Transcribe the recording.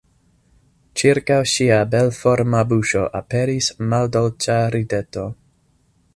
Ĉirkaŭ ŝia belforma buŝo aperis maldolĉa rideto.